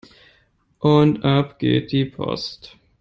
Und ab geht die Post!